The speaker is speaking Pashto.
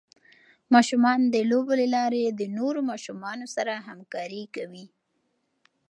ماشومان د لوبو له لارې د نورو ماشومانو سره همکاري کوي.